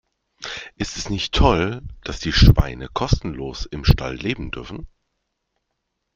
Ist es nicht toll, dass die Schweine kostenlos im Stall leben dürfen?